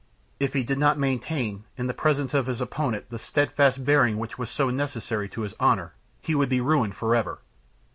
If he did not maintain, in presence of his opponent, the steadfast bearing which was so necessary to his honor, he would be ruined forever.